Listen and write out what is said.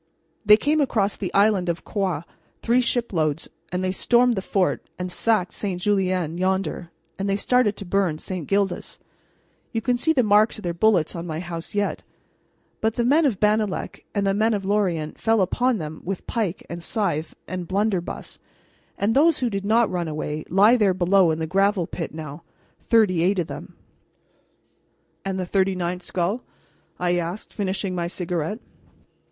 They came across from the island of Groix three shiploads, and they stormed the fort and sacked St. Julien yonder, and they started to burn St. Gildas you can see the marks of their bullets on my house yet; but the men of Bannalec and the men of Lorient fell upon them with pike and scythe and blunderbuss, and those who did not run away lie there below in the gravel pit now thirty eight of them." "And the thirty ninth skull?" I asked, finishing my cigarette.